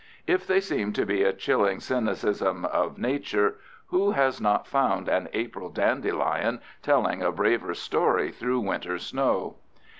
If they seem to be a chilling cynicism of Nature, who has not found an April dandelion telling a braver story through winter snow?